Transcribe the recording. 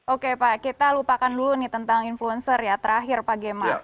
oke pak kita lupakan dulu nih tentang influencer ya terakhir pak gemma